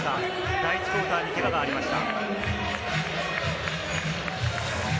第１クオーターにけががありました。